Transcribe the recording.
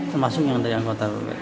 termasuk yang dari anggota